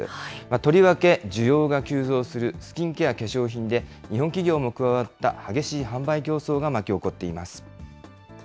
とりわけ需要が急増するスキンケア化粧品で、日本企業も加わった激しい販売競争が巻き起こっています。